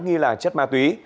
ghi là chất ma túy